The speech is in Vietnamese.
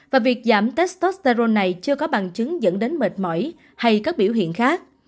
và việc giảm testosterone này chưa có bằng chứng dẫn đến mệt